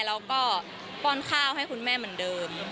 แล้วก็ป้อนข้าวให้คุณแม่เหมือนเดิม